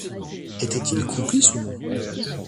Était-il complice ou non?